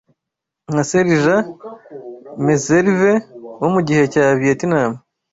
nka Serija Meserve wo mu gihe cya Vietnam